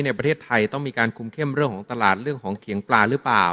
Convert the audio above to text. ในประเทศไทยต้องมีการคุมเข้มเรื่องของตลาดเรื่องของเขียงปลาหรือเปล่า